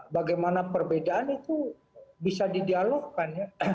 bagaimana perbedaan itu bisa didialogkan ya